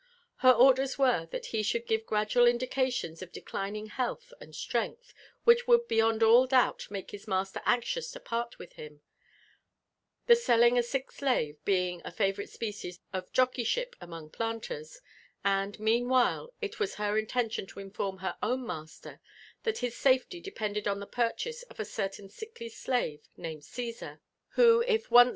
Her orders were, that he should give gradual indica tions of declining health and strength, which would beyond all doubt make hfs master anxious to part with him, — the selling a sick slave being a favourite species of jockeyship among planters; and, mean while, it was her intention to inform her own master that his safety depended on the purchase of a certain sickly slave named Caesar, who I JONATHAN iSf FERflOH WlflTLAW.